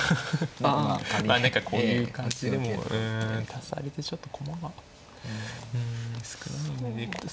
何かこういう感じでもうん足されてちょっと駒がうん少ないんで。